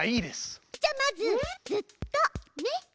じゃまず「ずっと」ね。